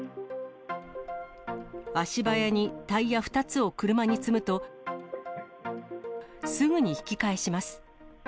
足早にタイヤ２つを車に積むと、すぐに引き返します。